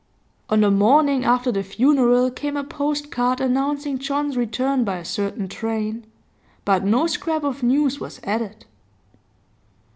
On the morning after the funeral came a postcard announcing John's return by a certain train, but no scrap of news was added.